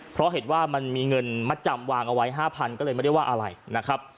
เพราะเห็นว่ามันมีเงินมัดจำวางเอาไว้๕๐๐ก็เลยไม่ได้ว่าอะไรนะครับ